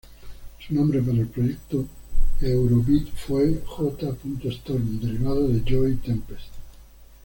Su nombre para el proyecto eurobeat fue "J. Storm", derivado de Joey Tempest.